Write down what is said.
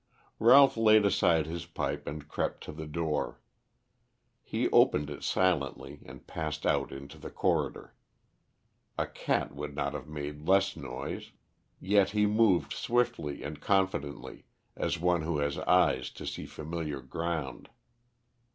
Ralph laid aside his pipe and crept to the door. He opened it silently and passed out into the corridor. A cat would not have made less noise. Yet he moved swiftly and confidently, as one who has eyes to see familiar ground.